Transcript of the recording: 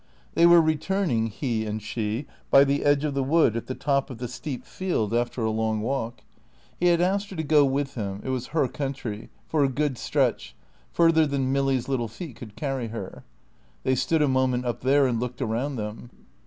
They were returning, he and she, by the edge of the wood at the top of the steep field after a long walk. He had asked her to go with him it was her country for a good stretch, further than Milly's little feet could carry her. They stood a moment up there and looked around them.